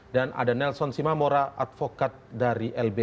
dan ada nelson simamora advokat dari lbh